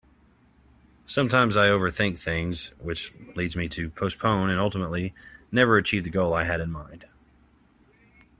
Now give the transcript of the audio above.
Sometimes I overthink things which leads me to postpone and ultimately never achieve the goal I had in mind.